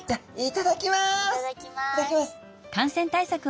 いただきます！